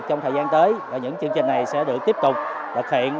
trong thời gian tới những chương trình này sẽ được tiếp tục thực hiện